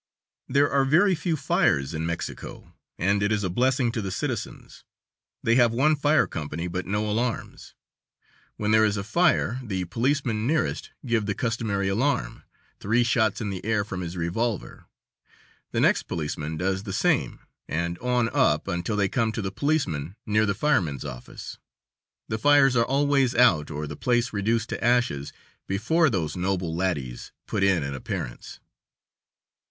There are very few fires in Mexico, and it is a blessing to the citizens; they have one fire company, but no alarms. When there is a fire the policemen nearest give the customary alarm, three shots in the air from his revolver; the next policeman does the same, and on up until they come to the policeman near the firemen's office. The fires are always out or the place reduced to ashes before those noble laddies put in an appearance.